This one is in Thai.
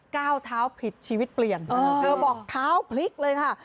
ก้าวเท้าผิดชีวิตเปลี่ยนเธอบอกเท้าพลิกเลยค่ะ